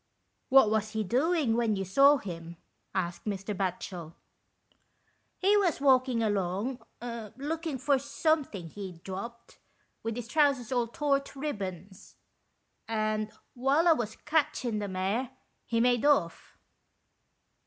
" What was he doing when you saw him ?" asked Mr. Batchel. "He was walking along looking for some thing he'd dropped, with his trousers all tore to ribbons, and while I was catchin' the mare, he made off."